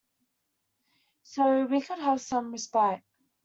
So we could have some respite.